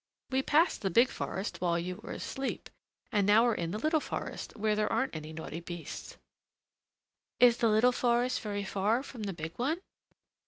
We passed the big forest while you were asleep, and now we're in the little forest, where there aren't any naughty beasts." "Is the little forest very far from the big one?"